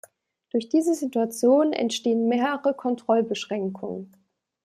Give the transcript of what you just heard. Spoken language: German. Durch diese Situation entstehen mehrere Kontrollbeschränkungen.